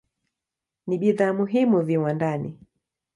Ni bidhaa muhimu viwandani.